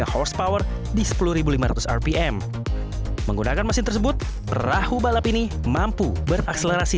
empat ratus dua puluh lima horsepower di sepuluh lima ratus rpm menggunakan mesin tersebut perahu balap ini mampu berakselerasi